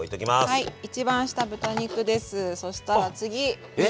はい。